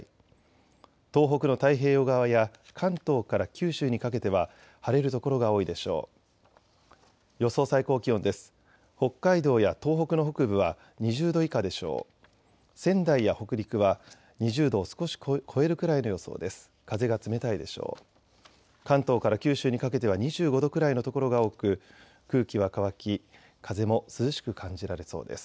仙台や北陸は２０度を少し超えるくらいの予想です。